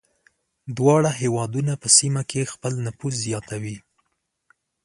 دواړه هېوادونه په سیمه کې خپل نفوذ زیاتوي.